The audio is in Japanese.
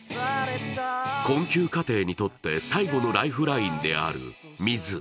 困窮家庭にとって最後のライフラインである水。